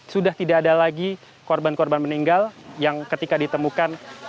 sudah tidak ada lagi korban korban meninggal yang ketika ditemukan